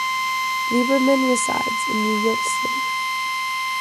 Liebermann resides in New York City.